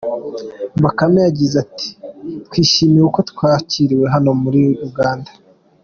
Bakame yagize ati “Twishimiye uko twakiriwe hano muri Uganda.